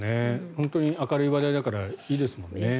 本当に明るい話題だからいいですもんね。